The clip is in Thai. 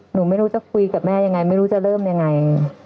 หนูไม่รู้จะคุยกับแม่ยังไงไม่รู้จะเริ่มยังไง